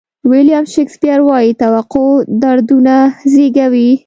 ویلیام شکسپیر وایي توقع دردونه زیږوي.